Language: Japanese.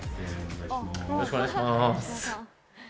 よろしくお願いします。